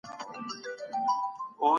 د اور نه ډال او د حفاظت سبب دا کلمات ويل دي: